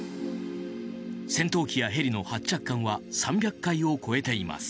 戦闘機やヘリの発着艦は３００回を超えています。